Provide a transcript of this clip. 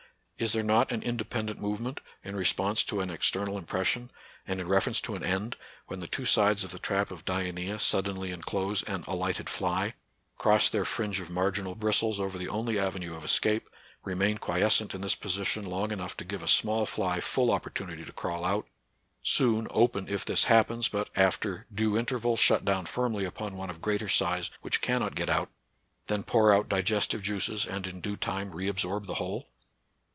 Is there not an independent movement, in re sponse to an external impression, and in refer ence to an end, when the two sides of the trap of Dioncea suddenly enclose an alighted fly, cross their fringe of marginal bristles over the only avenue of escape, remain quiescent in this position long enough to give a small fly full opportunity to crawl out, soon open if this hap pens, but after due interval shut down firmly upon one of greater size which cannot get out, then pour out digestive juices, and in due time re absorb the whole